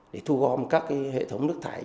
để thu gom các hệ thống nước thải